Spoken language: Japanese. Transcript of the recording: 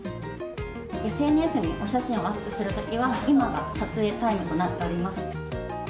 ＳＮＳにお写真をアップするときは、今が撮影タイムとなっております。